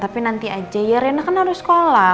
tapi nanti aja ya rena kan harus sekolah